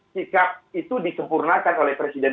sikap itu disempurnakan oleh presiden